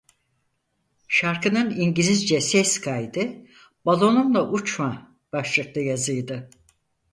Şarkının İngilizce ses kaydı "Balonumla Uçma" başlıklı yazıydı.